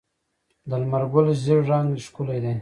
د لمر ګل ژیړ رنګ ښکلی دی.